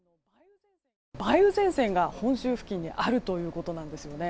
梅雨前線が本州付近にあるということなんですよね。